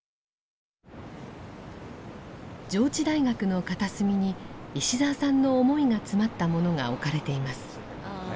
上智大学の片隅に石澤さんの思いが詰まったものが置かれています。